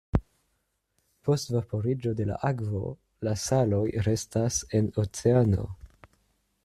Post vaporiĝo de la akvo, la saloj restas en oceano.